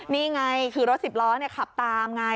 นี่ไงคือรถสิบล้อขับตามไง